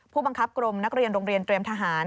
ผู้บังคับกรมนักเรียนโรงเรียนเตรียมทหาร